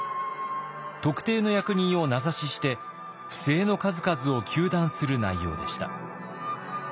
特定の役人を名指しして不正の数々を糾弾する内容でした。